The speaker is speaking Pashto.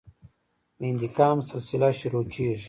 د انتقام سلسله شروع کېږي.